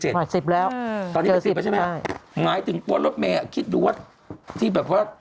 เจอ๑๐แล้วใช่ไหมครับหมายถึงกวนรถเมล์คิดดูว่าที่แบบว่า